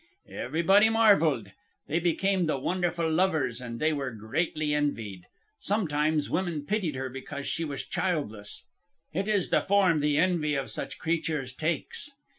"Everybody marvelled. They became the wonderful lovers, and they were greatly envied. Sometimes women pitied her because she was childless; it is the form the envy of such creatures takes.